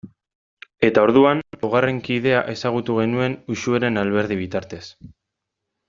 Eta orduan laugarren kidea ezagutu genuen Uxueren Alberdi bitartez.